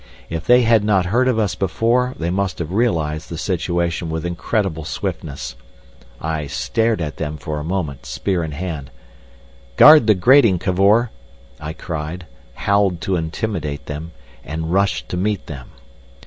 If they had not heard of us before, they must have realised the situation with incredible swiftness. I stared at them for a moment, spear in hand. "Guard that grating, Cavor," I cried, howled to intimidate them, and rushed to meet them.